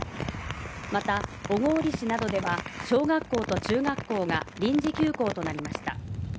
また、小郡市などでは、小学校と中学校が臨時休校となりました。